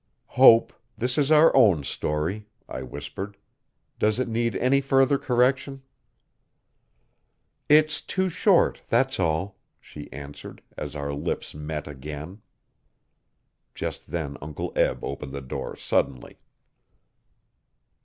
'Hope, this is our own story,' I whispered. 'Does it need any further correction?' 'It's too short that's all,' she answered, as our lips met again. Just then Uncle Eb opened the door, suddenly.